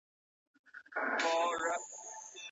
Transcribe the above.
ولي کوښښ کوونکی د وړ کس په پرتله لوړ مقام نیسي؟